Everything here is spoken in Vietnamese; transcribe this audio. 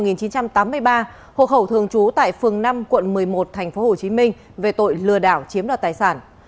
huỳnh thị ngân trang sinh năm một nghìn chín trăm tám mươi ba hộ khẩu thường trú tại phường năm quận một mươi một tp hcm về tội lừa đảo chiếm đoạt tài sản